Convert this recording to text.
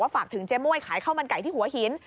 ฝากถึงเจ๊ม่วยขายข้าวมันไก่ที่หัวหิน